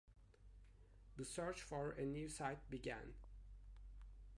The search for a new site began.